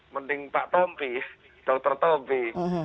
mending pak tompi dokter tompi